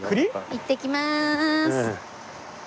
いってきまーす。